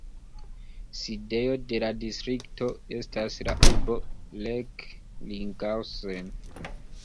Sidejo de la distrikto estas la urbo Recklinghausen.